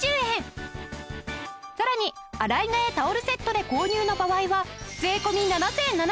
さらに洗い替えタオルセットで購入の場合は税込７７００円。